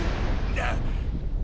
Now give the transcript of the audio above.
⁉なっ⁉